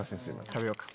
食べようか。